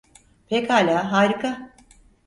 Pekala, harika.